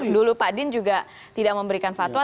dulu pak din juga tidak memberikan fatwa